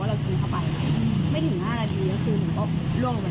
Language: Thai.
หรือเจ้าของร้านไม่ได้เซฟสถานะที่ขนาดนี้